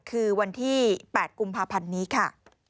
คือวันที่๘กุมภาพันธ์นี้ค่ะ